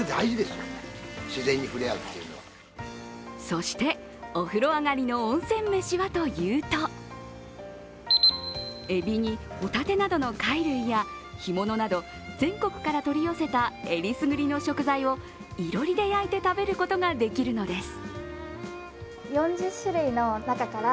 そして、お風呂上がりの温泉飯はというとエビにホタテなどの貝類や干物など全国から取り寄せた選りすぐりの食材をいろりで焼いて食べることができるのです。